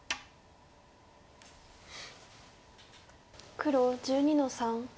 黒１２の三。